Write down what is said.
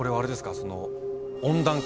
その温暖化